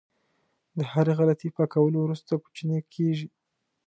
د هرې غلطۍ پاکولو وروسته کوچنی کېږي.